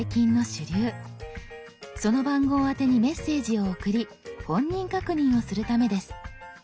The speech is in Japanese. その番号宛てにメッセージを送り本人確認をするためです。